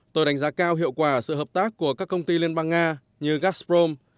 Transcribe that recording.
tôi đánh giá cao hiệu quả sự hợp tác của các công ty liên bang nga như gastprom